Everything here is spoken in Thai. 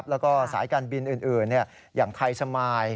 แล้วก็สายการบินอื่นอย่างไทยสมาย